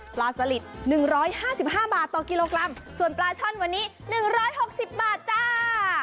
ปลาสลิด๑๕๕บาทต่อกิโลกรัมส่วนปลาช่อนวันนี้๑๖๐บาทจ้า